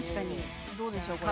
どうでしょうか？